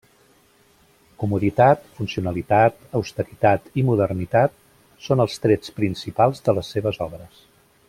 Comoditat, funcionalitat, austeritat i modernitat són els trets principals de les seves obres.